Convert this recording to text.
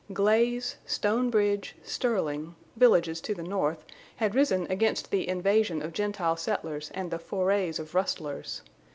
Glaze—Stone Bridge—Sterling, villages to the north, had risen against the invasion of Gentile settlers and the forays of rustlers.